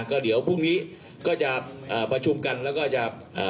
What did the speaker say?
ก็เดี๋ยวพรุ่งนี้ก็จะประชุมกันแล้วก็จะเอ่อ